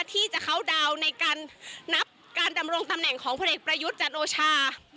ที่จะเข้าดาวน์ในการนับการดำรงตำแหน่งของพลเอกประยุทธ์จันโอชา